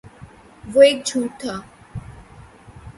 وہ ایک جھوٹ تھا